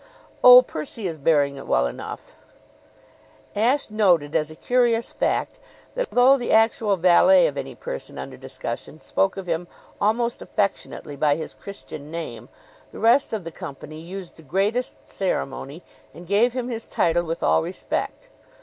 "Oh, Percy is bearing it well enough." Ashe noted as a curious fact that, though the actual valet of any person under discussion spoke of him almost affectionately by his Christian name, the rest of the company used the greatest ceremony and gave him his title with all respect.